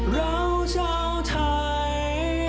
เราเจ้าไทย